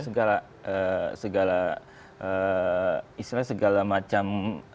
segala segala istilahnya segala macem